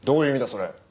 それ。